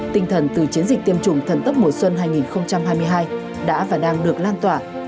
tinh thần từ chiến dịch tiêm chủng thần tấp mùa xuân hai nghìn hai mươi hai đã và đang được lan tỏa